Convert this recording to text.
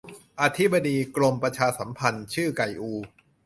อธิบดี กรมประชาสัมพันธ์ ชื่อ ไก่อู